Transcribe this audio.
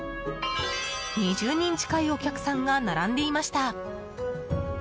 ２０人近いお客さんが並んでいました。